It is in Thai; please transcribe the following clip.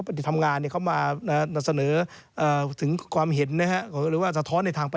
เพราะถ้าการทำมาน